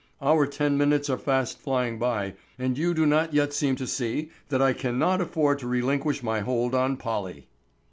Our ten minutes are fast flying by and you do not yet seem to see that I cannot afford to relinquish my hold on Polly."